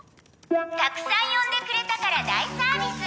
「たくさん呼んでくれたから大サービス！」